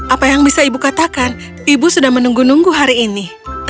apa yang bisa ibu katakan ibu sudah menunggu nunggu hari ini